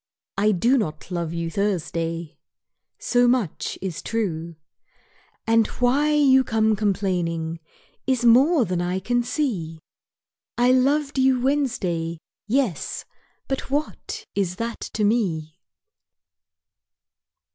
I do not love you Thursday So much is true. And why you come complaining Is more than I can see. I loved you Wednesday, yes but what Is that to me?